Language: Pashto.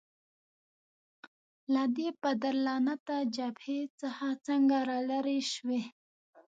له دې پدرلعنته جبهې څخه څنګه رالیري شوې؟